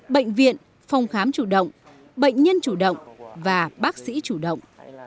bệnh viện phòng khám chủ động bệnh nhân chủ động và bác sĩ chủ động